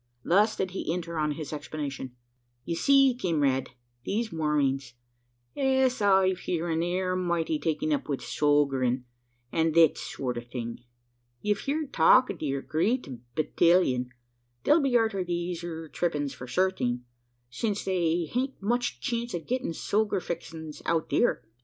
Thus did he enter on his explanation: "Ye see, kimrade, these Mormings, es I've heern, air mighty taken up wi' sogerin', an' thet sort o' thing. Ye've heerd talk o' theer great bettelion. They'll be arter these eer treppings for certing, since they hain't much chence o' gittin' soger fixings out theer.